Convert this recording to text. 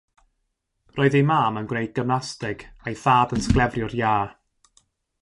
Roedd ei mam yn gwneud gymnasteg a'i thad yn sglefriwr iâ.